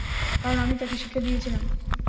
কারণ, আমি তাকে শিক্ষা দিয়েছিলাম।